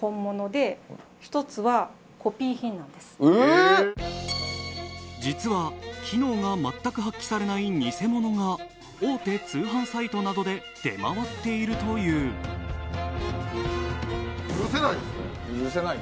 でもこれえっ実は機能が全く発揮されない偽物が大手通販サイトなどで出回っているという許せないよ